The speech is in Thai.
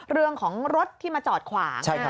เรื่องของรถที่มาจอดขวาง